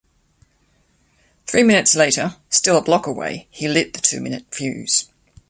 Three minutes later, still a block away, he lit the two-minute fuse.